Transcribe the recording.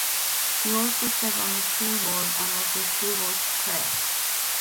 He also served on the school board and was the school board clerk.